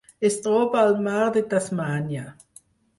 Es troba al Mar de Tasmània.